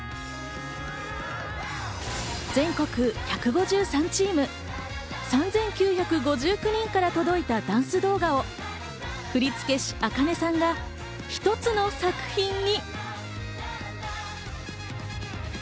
全国１５３チーム、３９５９人から届いたダンス動画を振付師、ａｋａｎｅさんが一つの作品に。